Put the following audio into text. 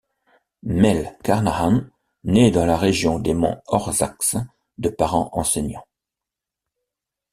Mel Carnahan naît dans la région des Monts Ozarks de parents enseignants.